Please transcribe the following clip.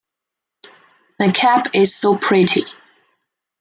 My cap is so pretty.